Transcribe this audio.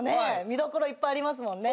見どころいっぱいありますもんね。